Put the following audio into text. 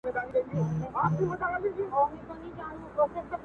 غوږ دي خولې ته رانژدې کړه عالیشانه